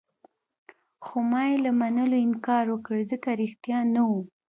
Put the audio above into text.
خو ما يې له منلو انکار وکړ، ځکه ريښتیا نه وو.